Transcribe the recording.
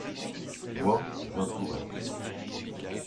moi, j'entourais.